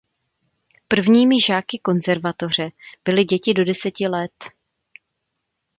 Prvními žáky konzervatoře byly děti do deseti let.